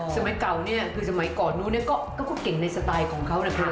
สมัยเก่าเนี่ยคือสมัยก่อนนู้นก็เก่งในสไตล์ของเขานะคะ